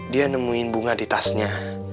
dia nemuin bunga di tasnya